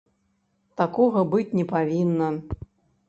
Такога быць не павінна!